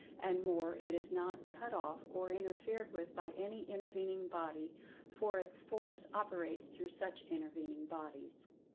And more, it is not "cut off" or interfered with by any intervening body, for its force operates through such intervening bodies.